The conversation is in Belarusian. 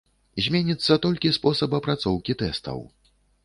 Зменіцца толькі спосаб апрацоўкі тэстаў.